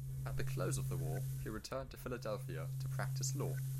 At the close of the war, he returned to Philadelphia to practice law.